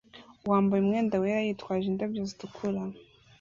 wambaye umwenda wera yitwaje indabyo zitukura